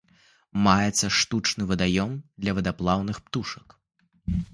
Маецца штучны вадаём для вадаплаўных птушак.